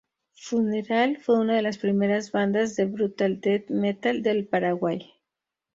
Funeral fue una de las primeras bandas de Brutal Death Metal del Paraguay.